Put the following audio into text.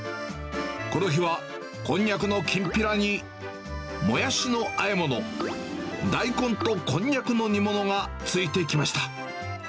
この日は、コンニャクのきんぴらに、もやしのあえ物、大根とコンニャクの煮物がついてきました。